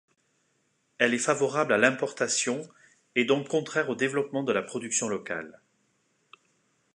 Elle est favorable à l’importation, et donc contraire au développement de la production locale.